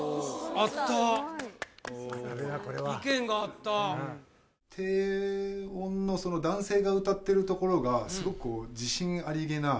合ったこれはこれは意見が合った低音の男性が歌ってるところがすごく自信ありげな